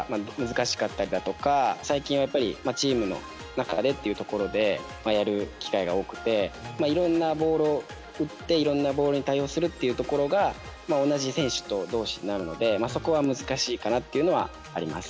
最近はやっぱりチームの中でというところでやる機会が多くていろんなボールを打っていろんなボールに対応するというところが同じ選手とどうしになるのでそこは難しいかなっていうのはあります。